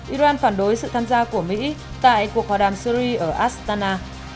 iran phản đối sự tham gia của mỹ tại cuộc hòa đàm syri ở astana